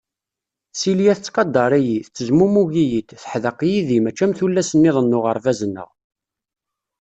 Silya tettqadar-iyi, tettezmumug-iyi-d, teḥdeq yid-i mačči am tullas-niḍen n uɣerbaz-nneɣ.